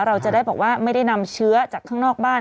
เราจะได้บอกว่าไม่ได้นำเชื้อจากข้างนอกบ้าน